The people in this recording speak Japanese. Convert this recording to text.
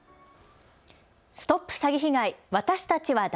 ＳＴＯＰ詐欺被害！